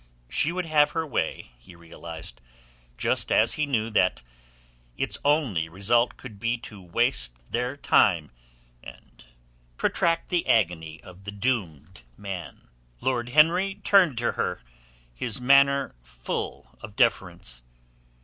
She would have her way, he realized; just as he knew that its only result could be to waste their time and protract the agony of the doomed man. Lord Henry turned to her, his manner full of deference.